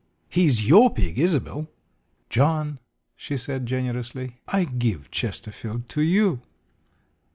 "He is your pig, Isobel." "John," she said generously, "I give Chesterfield to you."